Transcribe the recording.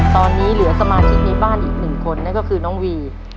ตอนนี้เหลือสมาชิกในบ้านอีกหนึ่งคนนั่นก็คือน้องวี